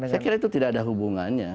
saya kira itu tidak ada hubungannya